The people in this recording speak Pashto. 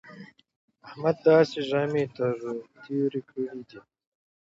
احمد داسې ژامې تر له تېرې کړې دي